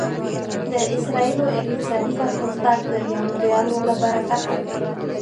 د اسرایلو اقتصادي پرمختګ د یهودیانو له برکته دی